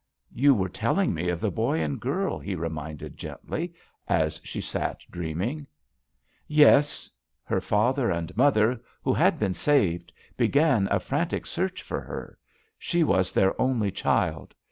"You were telling me of the boy and girl," he reminded, gently, as she sat dreaming. "Yes. Her father and mother, who had been saved, began a frantic search for her. She was their only child.